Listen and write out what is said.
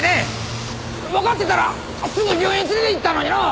わかってたらすぐ病院連れて行ったのになあ。